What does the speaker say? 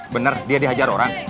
bener dia dihajar orang